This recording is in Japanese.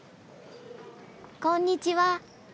こんにちは。